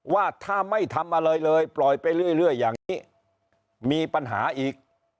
ว่าถ้าไม่ทำอะไรเลยปล่อยไปเรื่อยอย่างนี้มีปัญหาอีก